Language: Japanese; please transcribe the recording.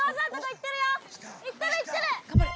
いってるいってる！